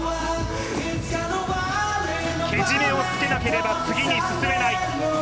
けじめをつけなければ次に進めない。